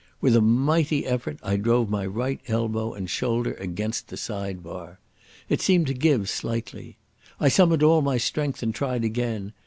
With a mighty effort I drove my right elbow and shoulder against the side bar. It seemed to give slightly.... I summoned all my strength and tried again.